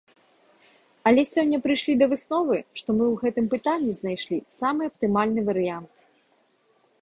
Але сёння прыйшлі да высновы, што мы ў гэтым пытанні знайшлі самы аптымальны варыянт.